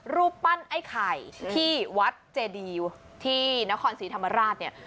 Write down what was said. รูปปั้นไอ้ไข่ที่วัดเจดีที่นครศรีธรรมราชเนี่ย